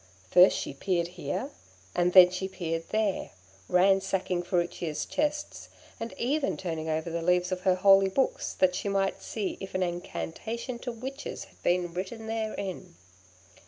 First she peered here, and then she peered there, ransacking Furicchia's chests, and even turning over the leaves of her holy books, that she might see if an incantation to Witches had been written therein.